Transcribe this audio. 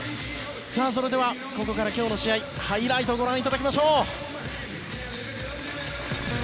それではここから今日の試合のハイライトをご覧いただきましょう。